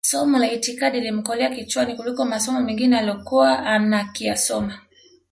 somo la itikadi lilimkolea kichwani kuliko masomo mengine aliyokuwa ankiyasoma